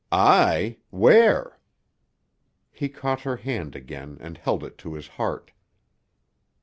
"I! Where?" He caught her hand again and held it to his heart.